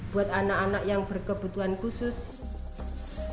buat anak anak yang berkebutuhan khusus